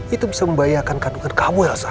itu bisa membahayakan kandungan kamu elsa